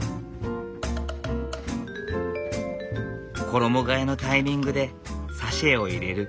衣がえのタイミングでサシェを入れる。